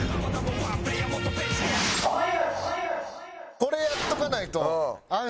これやっておかないと。